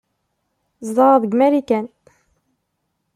Zedɣeɣ deg Marikan.